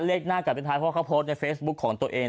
เลขหน้ากลับเป็นท้ายเพราะเขาโพสต์ในเฟซบุ๊คของตัวเอง